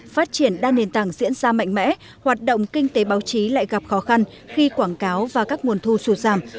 phát triển đa nền tảng diễn ra mạnh mẽ hoạt động kinh tế báo chí lại gặp khó khăn khi quảng cáo và các nguồn thu sụt giảm